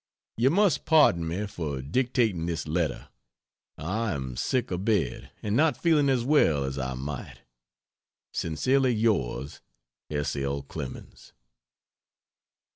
You must pardon me for dictating this letter; I am sick a bed and not feeling as well as I might. Sincerely Yours, S. L. CLEMENS.